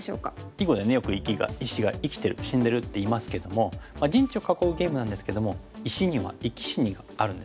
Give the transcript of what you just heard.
囲碁でねよく石が生きてる死んでるっていいますけども陣地を囲うゲームなんですけども石には生き死にがあるんですね。